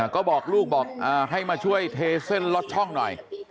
ก็บอกลูกบอกให้มาช่วยเทเส้นลอดช่องหน่อย